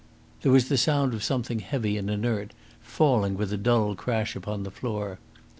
There was the sound of something heavy and inert falling with a dull crash upon the floor.